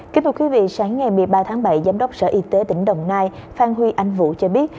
kính thưa quý vị sáng ngày một mươi ba tháng bảy giám đốc sở y tế tỉnh đồng nai phan huy anh vũ cho biết